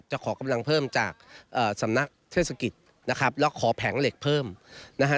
ขอกำลังเพิ่มจากสำนักเทศกิจนะครับแล้วขอแผงเหล็กเพิ่มนะฮะ